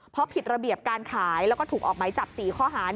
เพราะผิดระเบียบการขายแล้วก็ถูกออกไหมจับ๔ข้อหา